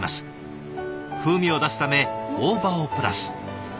風味を出すため大葉をプラス。